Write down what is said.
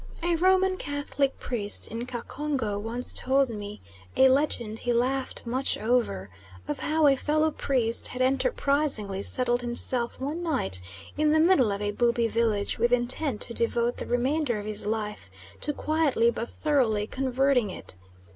A Roman Catholic priest in Ka Congo once told me a legend he laughed much over, of how a fellow priest had enterprisingly settled himself one night in the middle of a Bubi village with intent to devote the remainder of his life to quietly but thoroughly converting it.